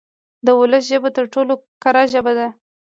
د ولس ژبه تر ټولو کره ژبه ده.